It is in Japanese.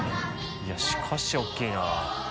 いやしかし大きいな。